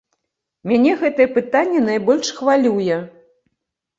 Мяне гэтае пытанне найбольш хвалюе!